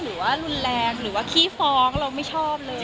หรือว่ารุนแรงหรือว่าขี้ฟ้องเราไม่ชอบเลย